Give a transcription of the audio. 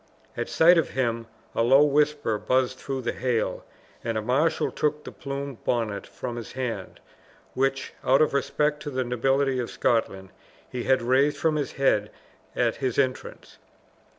At sight of him a low whisper buzzed through the hail, and a marshal took the plumed bonnet from his hand, which, out of respect to the nobility of Scotland, he had raised from his head at his entrance.